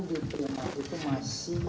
diperima itu masih